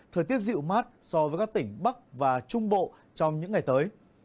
thời tiết dịu mát so với các tỉnh bắc và trung bộ trong những ngày tới